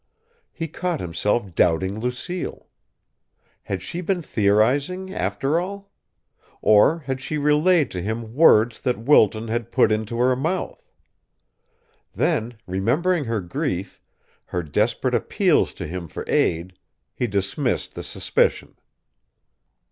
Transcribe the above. He caught himself doubting Lucille. Had she been theorizing, after all? Or had she relayed to him words that Wilton had put into her mouth? Then, remembering her grief, her desperate appeals to him for aid, he dismissed the suspicion.